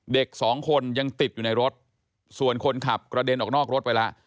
เด็กสองคนยังติดอยู่ในรถส่วนคนขับกระเด็นออกนอกรถไปแล้ว